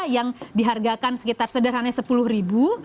yang dihargakan sekitar sederhana sepuluh ribu